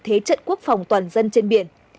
thế trận quốc phòng toàn dân trên biển